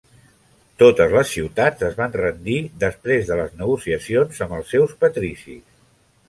Totes les ciutats es van rendir després de les negociacions amb els seus patricis.